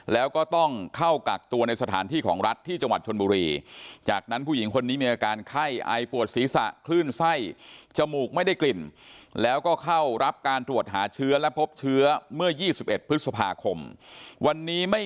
แล้วก็ต้องเข้ากักตัวในสถานที่ของรัฐที่จังหวัดชนบุรี